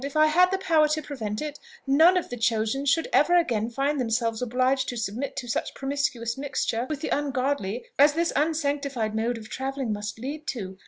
if I had the power to prevent it, none of the chosen should ever again find themselves obliged to submit to such promiscuous mixture with the ungodly as this unsanctified mode of travelling must lead to.